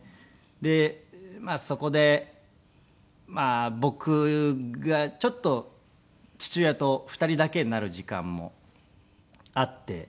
でまあそこで僕がちょっと父親と２人だけになる時間もあって。